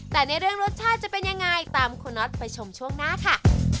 แต่ในเรื่องรสชาติจะเป็นยังไงตามคุณน็อตไปชมช่วงหน้าค่ะ